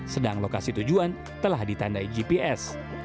sedang lokasi tujuan telah ditandai gps